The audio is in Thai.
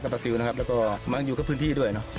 บาซิลนะครับแล้วก็มาอยู่กับพื้นที่ด้วยเนอะ